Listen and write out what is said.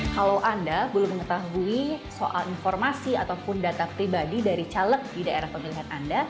kalau anda belum mengetahui soal informasi ataupun data pribadi dari caleg di daerah pemilihan anda